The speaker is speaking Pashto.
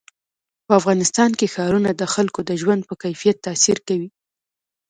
په افغانستان کې ښارونه د خلکو د ژوند په کیفیت تاثیر کوي.